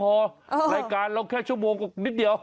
พอรายการเราแค่ชั่วโมงกว่านิดเดียว